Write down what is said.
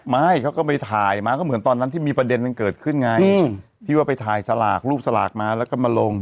ไม่เขาก็ไปถ่ายมาก็เหมือนตอนนั้นที่มีประเด็นหนึ่งเกิดขึ้นไงที่ว่าไปถ่ายสลากรูปสลากมาแล้วก็มาลง